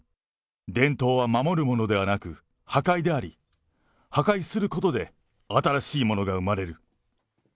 伝統は守るものではなく、破壊であり、破壊することで新しいものが生まれる。